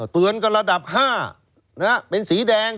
เตือนกันระดับ๕เป็นสีแดง